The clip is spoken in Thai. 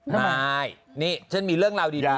ไม่นี่ฉันมีเรื่องราวดี